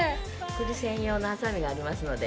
くり専用のはさみがありますので。